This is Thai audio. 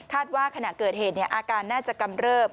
คาดว่าขณะเกิดเหตุเนี่ยอาการน่าจะกำเริบ